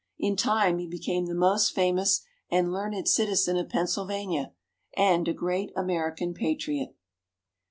In time, he became the most famous and learned citizen of Pennsylvania, and a great American Patriot.